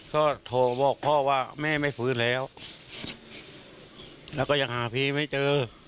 ก็โทรบอกพ่อว่าแม่ไม่ฟื้นแล้วแล้วก็ยังหาพี่ไม่เจอ